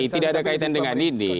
tidak ada kaitan dengan ini